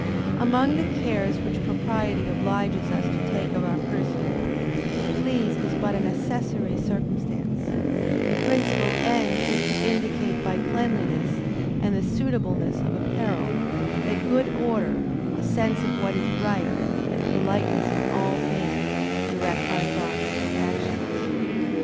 _ Among the cares which propriety obliges us to take of our person, to please is but an accessary circumstance; the principal end is to indicate by cleanliness, and the suitableness of apparel, that good order, a sense of what is right, and politeness in all things, direct our thoughts and actions.